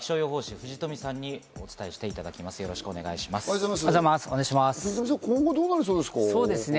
藤富さん、今後どうなりそうですか？